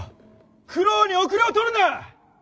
九郎に後れを取るな！